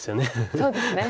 そうですね。